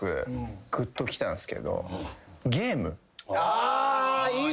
あーいい！